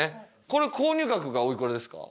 これ購入額がおいくらですか？